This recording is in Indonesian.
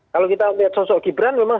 kalau kita lihat sosok gibran memang